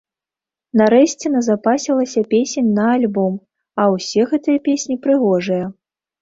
Нарэшце назапасілася песень на альбом, а ўсе гэтыя песні прыгожыя.